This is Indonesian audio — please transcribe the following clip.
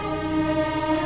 aku mau makan